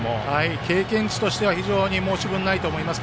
経験値としては非常に申し分ないと思います。